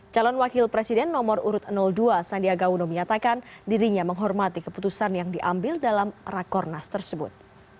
calon wakil presiden nomor urut dua sandiaga uno menyatakan dirinya menghormati keputusan yang diambil dalam rakornas tersebut